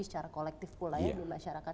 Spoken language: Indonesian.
secara kolektif pula ya di masyarakat